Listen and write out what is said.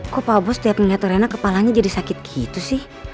kok pak bos tiap melihat reyna kepalanya jadi sakit gitu sih